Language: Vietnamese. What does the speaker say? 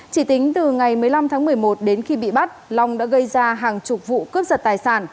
chỉ tính từ ngày một mươi năm tháng một mươi một đến khi bị bắt long đã gây ra hàng chục vụ cướp giật tài sản